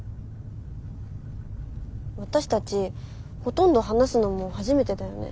私たちほとんど話すのも初めてだよね？